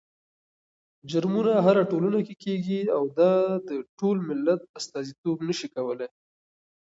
جرمونه هره ټولنه کې کېږي او دا د ټول ملت استازيتوب نه شي کولی.